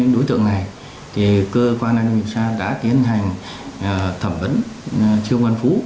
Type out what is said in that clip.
đối tượng này cơ quan an ninh điều tra đã tiến hành thẩm vấn trương văn phú